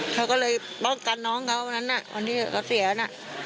เขาก็เลยป้องกันน้องเขาวันนั้นคนที่เขาเสียน่ะ